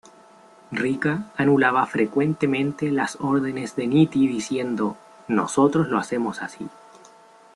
Ricca anulaba frecuentemente las órdenes de Nitti diciendo, "nosotros lo hacemos así.